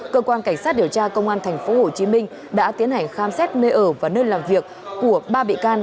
cơ quan cảnh sát điều tra công an tp hcm đã tiến hành khám xét nơi ở và nơi làm việc của ba bị can